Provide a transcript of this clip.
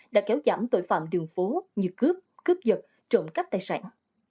đã kéo giảm tội phạm đường phố như cướp cướp vật trộm cắp tài sản